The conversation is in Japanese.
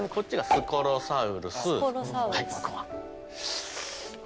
ステゴサウルス。